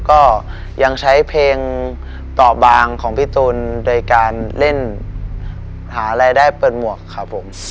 ก็ยังใช้เพลงต่อบางของพี่ตูนโดยการเล่นหารายได้เปิดหมวกครับผม